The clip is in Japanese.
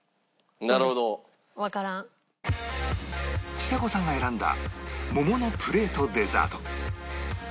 ちさ子さんが選んだ桃のプレートデザート